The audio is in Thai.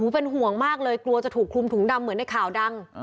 เป็นห่วงมากเลยกลัวจะถูกคลุมถุงดำเหมือนในข่าวดัง